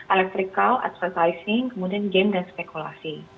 electrical advertising kemudian game dan spekulasi